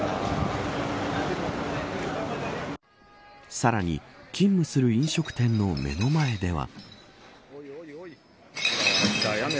さらに勤務する飲食店の目の前では。